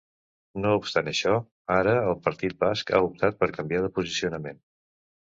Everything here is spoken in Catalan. No obstant això, ara el partit basc ha optat per canviar de posicionament.